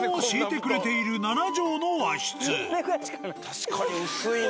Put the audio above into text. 確かに薄いな。